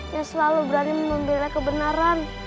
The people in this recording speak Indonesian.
yang selalu berani membela kebenaran